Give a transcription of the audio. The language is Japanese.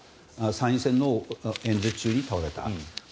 参院選の演説中に倒れた。